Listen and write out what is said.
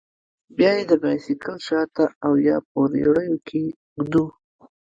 بيا يې د بايسېکل شاته او يا په رېړيو کښې ږدو.